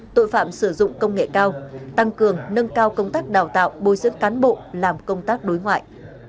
tội phạm sử dụng công nghệ cao tăng cường nâng cao công tác đào tạo bồi dưỡng cán bộ làm công tác đối ngoại